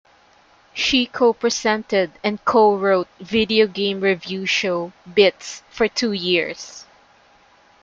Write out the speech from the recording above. She co-presented and co-wrote video game review show "Bits" for two years.